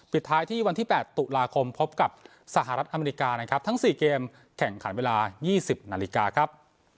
ปิดท้ายที่วันที่๘ตุลาคมพบกับสหรัฐอเมริกานะครับทั้ง๔เกมแข่งขันเวลา๒๐นาฬิกาครับ